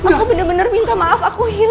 aku bener bener minta maaf aku hilang